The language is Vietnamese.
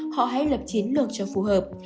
họ hãy lập chiến lược cho phù hợp